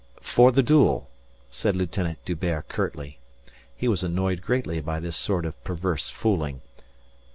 "For the duel," said Lieutenant D'Hubert curtly. He was annoyed greatly by this sort of perverse fooling.